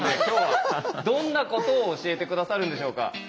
今日はどんなことを教えて下さるんでしょうか？